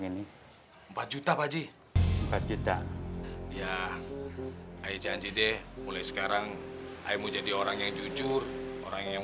ini juta kadiga empat juta ya hai i janji deh mulai sekarang algae jadi orang yang jujur orang yang